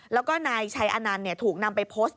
แล้วก็นายชัยอนันต์ถูกนำไปโพสต์